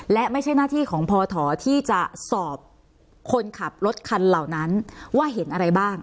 และไม่ใช่หน้าที่ของพอถอที่จะสอบคนขับรถคันเหล่านั้นว่าเห็นอะไรบ้าง